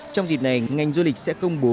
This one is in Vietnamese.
trong dịp này ngành du lịch sẽ công bố